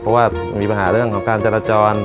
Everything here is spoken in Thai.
เพราะว่ามีปัญหาเรื่องของการจราจร